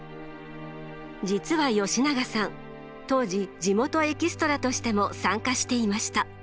実は吉永さん当時地元エキストラとしても参加していました。